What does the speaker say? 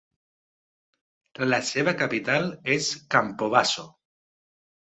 La seva capital és Campobasso.